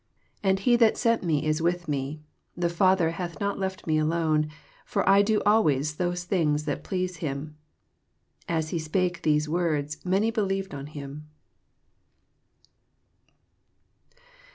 29 And he that sent me is with me: the Father hath not left me alone; for I do always those things that please him. 30 As he spake these words, many believed on hun.